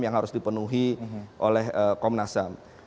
yang harus dipenuhi oleh komnasam